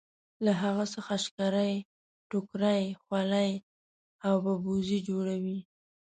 له هغه څخه شکرۍ ټوکرۍ خولۍ او ببوزي جوړوي.